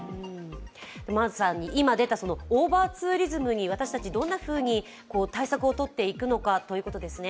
まさに今、出たオーバーツーリズムに私たち、どんなふうに対策をとっていくのかということですね。